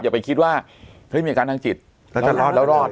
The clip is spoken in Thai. อย่าไปคิดว่าเฮ้ยมีอาการทางจิตแล้วจะรอดแล้วรอด